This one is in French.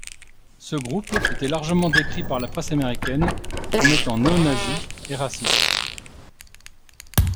Ce groupe était largement décrit par la presse américaine comme étant néo-nazi et raciste.